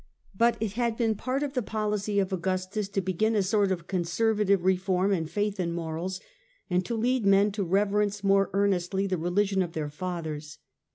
But it had been part of the policy of Augustus to begin a sort of conservative reform in faith and morals, and to lead men to reverence more earnestly the religion of their fathers.